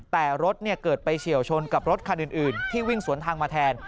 แต่รถเกิดไปเฉียวชนกับรถคันอื่นที่วิ่งสวนทางมาแทน